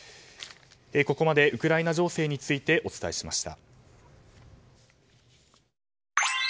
ここまでウクライナ情勢についてお伝えしました。